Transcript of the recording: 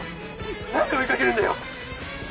なんで追いかけるんだよ！？